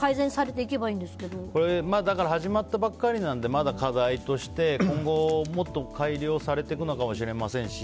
これからどんどん始まったばかりなのでまだ課題として今後もっと改良されていくのかもしれませんし。